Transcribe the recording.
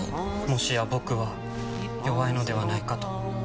もしや僕は弱いのではないかと。